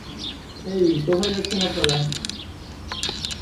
হেই, কোথায় যাচ্ছেন আপনারা?